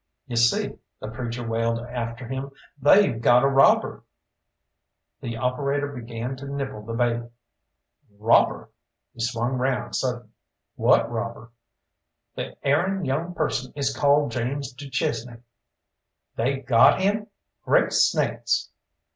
"You see," the preacher wailed after him, "they've got a robber." The operator began to nibble the bait. "Robber!" He swung round sudden. "What robber?" "The erring young person is called James du Chesnay." "They've got him? Great snakes!"